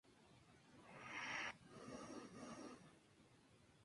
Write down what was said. Es estudiante de segundo año en la universidad de Literatura de Tama.